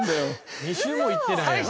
２周も行ってないやん。